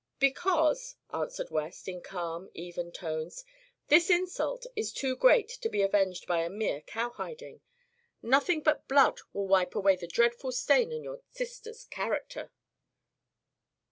"Because," answered West, in calm, even tones, "this insult is too great to be avenged by a mere cowhiding. Nothing but blood will wipe away the dreadful stain on your sister's character."